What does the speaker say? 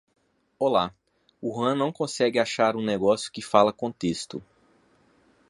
Olá, o Ruan não consegue achar um negócio que fala com texto.